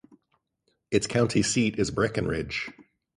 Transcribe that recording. Its county seat is Breckenridge.